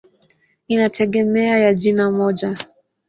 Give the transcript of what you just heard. Inategemea ya jina moja.